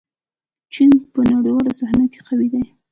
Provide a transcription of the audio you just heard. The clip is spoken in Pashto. چین په نړیواله صحنه کې قوي دی.